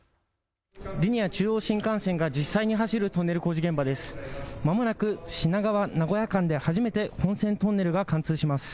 リニア中央新幹線が実際に走るトンネル工事現場です。